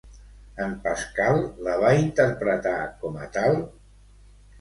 En Pascal la va interpretar com a tal?